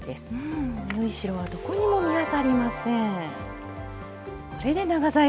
縫い代はどこにも見当たりません。